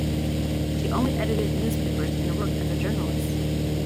She only edited newspapers and worked as a journalist.